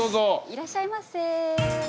いらっしゃいませ。